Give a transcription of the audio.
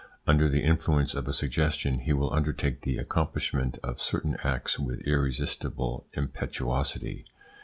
Under the influence of a suggestion, he will undertake the accomplishment of certain acts with irresistible impetuosity.